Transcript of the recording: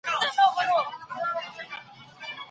ایا تا هغه ته د تګ اجازه ورکړه؟